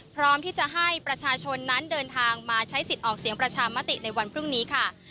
พร้อมที่จะให้ประชาชนนั้นเดินทางมาใช้สิทธิ์ออกเสียงประชามติในวันพรุ่งนี้ค่ะ